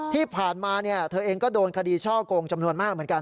ที่ผ่านมาเธอเองก็โดนคดีช่อกงจำนวนมากเหมือนกัน